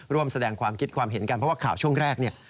ร่วมแสดงความคิดความเห็นกันเพราะว่าข่าวช่วงแรกเนี่ย